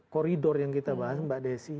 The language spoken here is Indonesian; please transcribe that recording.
koridor yang kita bahas mbak desi